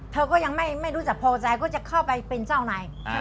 เธอก็ยังไม่รู้จักพอใจก็จะเข้าไปเป็นเจ้านาย